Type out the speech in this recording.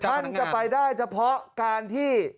ท่านจะไปได้เฉพาะการที่